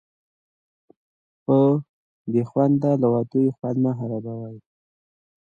په بې خوندو لغتونو یې خوند مه خرابوئ.